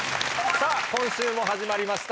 今週も始まりました